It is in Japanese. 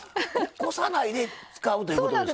こさないで使うということですか？